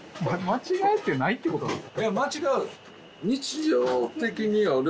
間違えてないってことなんですか？